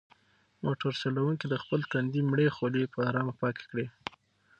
موټر چلونکي د خپل تندي مړې خولې په ارامه پاکې کړې.